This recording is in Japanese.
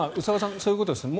そういうことですね。